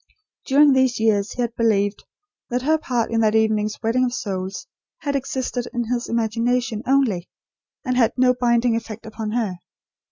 During these years he had believed, that her part in that evening's wedding of souls had existed in his imagination, only; and had no binding effect upon her.